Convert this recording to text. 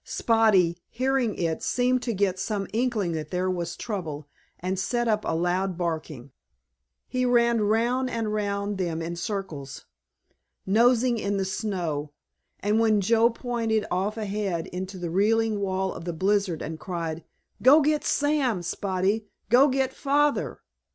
Spotty hearing it seemed to get some inkling that there was trouble and set up a loud barking. He ran round and round them in circles, nosing in the snow, and when Joe pointed off ahead into the reeling wall of the blizzard and cried "Go get Sam, Spotty, go get Father!"